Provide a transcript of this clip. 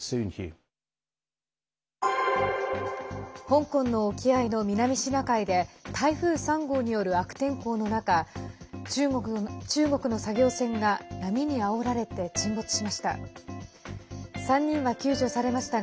香港の沖合の南シナ海で台風３号による悪天候の中中国の作業船が波に、あおられて沈没しました。